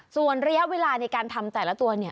ส่วนระยะเวลาในการทำแต่ละตัวเนี่ย